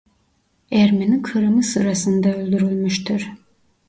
Ermeni Kırımı sırasında öldürülmüştür.